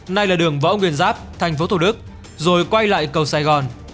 này là đường võ nguyên giáp thành phố thổ đức rồi quay lại cầu sài gòn